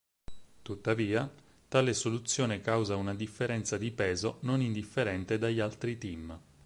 Tuttavia, tale soluzione causa una differenza di peso non indifferente dagli altri team.